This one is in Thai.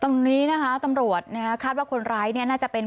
ตรงนี้นะฮะตำรวจคาดว่าคุณรายน่าจะเป็น